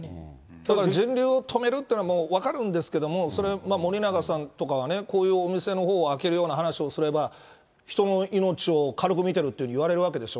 だから人流を止めるというのは、分かるんですけども、それ、森永さんとかはこういうお店のほうを開けるような話をすれば、人の命を軽く見てるっていうふうに言われるわけでしょ。